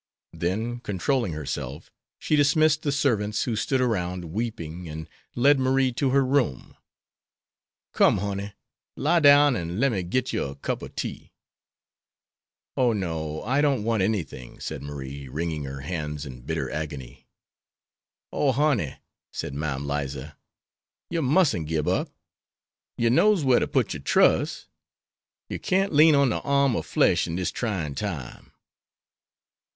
Then, controlling herself, she dismissed the servants who stood around, weeping, and led Marie to her room. "Come, honey, lie down an' lem'me git yer a cup ob tea." "Oh, no; I don't want anything," said Marie, wringing her hands in bitter agony. "Oh, honey," said Mam Liza, "yer musn't gib up. Yer knows whar to put yer trus'. Yer can't lean on de arm of flesh in dis tryin' time."